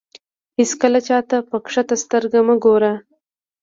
هېڅکله چاته په کښته سترګه مه ګوره.